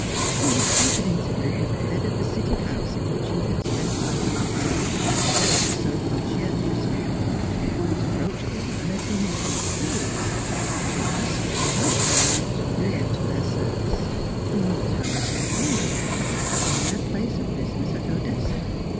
He would seek an interview with the head of the City house in which he had spent so much time and worked so conscientiously, a quite approachable man as he knew from experience, and would ask if he might be allowed to re enter their service; not, however, in London, but in their place of business at Odessa.